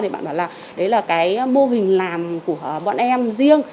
thì bạn bảo là đấy là cái mô hình làm của bọn em riêng